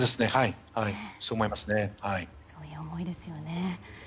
そういう思いですよね。